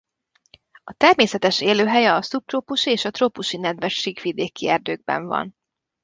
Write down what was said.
A természetes élőhelye a szubtrópusi és trópusi nedves síkvidéki erdőkben van.